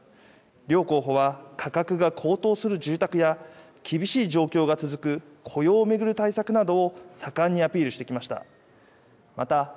両候補は価格が高騰する住宅や、厳しい状況が続く雇用を巡る対策などを盛んにアピールしてきました。